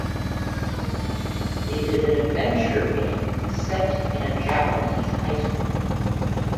It is an adventure game set in a Japanese high school.